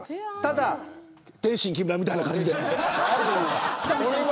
天津木村みたいな感じで。